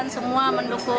semua mendukung ya mungkin